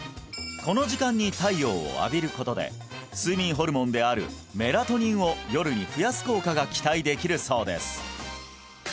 この時間に太陽を浴びることで睡眠ホルモンであるメラトニンを夜に増やす効果が期待できるそうです